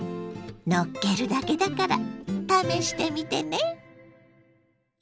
のっけるだけだから試してみてね。